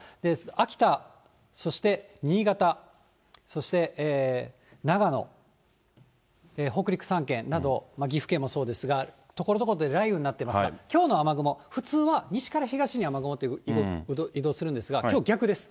秋田、そして新潟、そして長野、北陸３県など、岐阜県もそうですが、ところどころで雷雨になってますが、きょうの雨雲、普通は西から東に雨雲って移動するんですが、きょう逆です。